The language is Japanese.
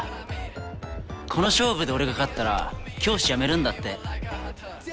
この勝負で俺が勝ったら教師やめるんだってこの人。